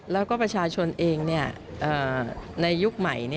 แล้วก็ประชาชนเองในยุคใหม่